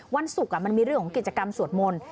วันศุกร์มันมีเรื่องของกิจกรรมสวดมนต์